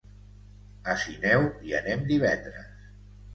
A Sineu hi anem divendres.